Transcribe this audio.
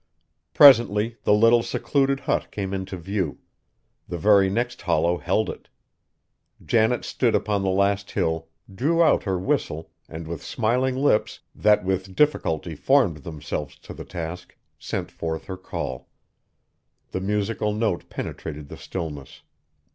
Presently the little, secluded hut came into view; the very next hollow held it! Janet stood upon the last hill, drew out her whistle and with smiling lips, that with difficulty formed themselves to the task, sent forth her call. The musical note penetrated the stillness.